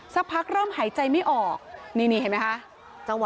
สักพักเริ่มหายใจไม่ออกนี่นี่เห็นไหมคะ